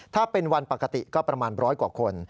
ถ้าเป็นวันปกติก็ประมาณร้อยกว่าคน